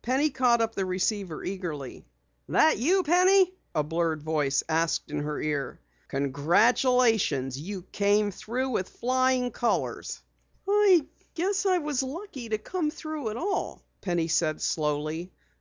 Penny caught up the receiver eagerly. "That you, Penny?" a blurred voice asked in her ear. "Congratulations! You came through with flying colors!" "Guess I was lucky to come through at all," Penny said slowly.